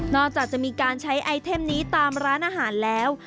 จากจะมีการใช้ไอเทมนี้ตามร้านอาหารแล้ว